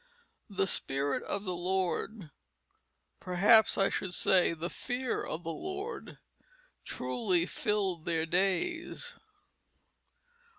The spirit of the Lord, perhaps I should say the fear of the Lord, truly filled their days.